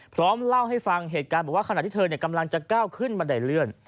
พร้อมเล่าให้ฟังเหตุการณ์บอกว่าขณะที่เธอกำลังจะก้าวขึ้นบันไดเลื่อน